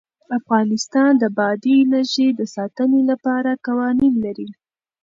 افغانستان د بادي انرژي د ساتنې لپاره قوانین لري.